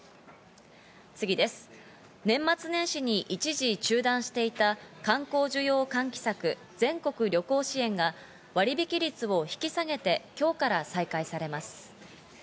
年末年始に一時中断していた観光需要喚起策、全国旅行支援が割引率を引き下げて、今日から再開されます。